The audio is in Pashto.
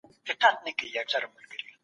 امنیت د هر نظام لومړنی هدف دی.